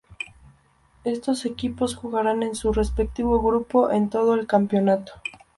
Estos equipos jugarán en su respectivo grupo en todo el campeonato.